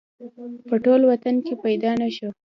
په ټول وطن کې پیدا نه شو